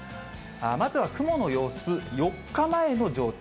まずは雲の様子、４日前の状態。